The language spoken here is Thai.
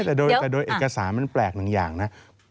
แต่โดยเอกสารมันแปลกหนึ่งอย่างนะ